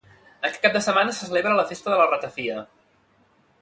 Aquest cap de setmana se celebra la Festa de la Ratafia.